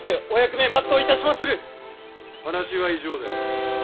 話は以上である。